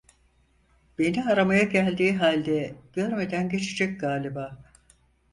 Beni aramaya geldiği halde görmeden geçecek galiba…